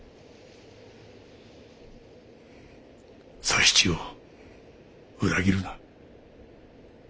佐七を裏切るな。